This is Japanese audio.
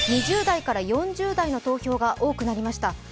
２０代から４０代の投票が多くなりました。